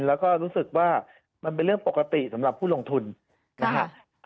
แล้วก็รู้สึกว่ามันเป็นเรื่องปกติสำหรับผู้ลงทุนนะครับ